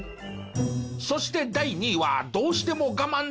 そして第２位はどうしてもハハハハ！